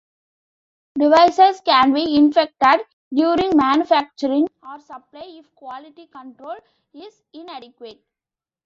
Devices can be infected during manufacturing or supply if quality control is inadequate.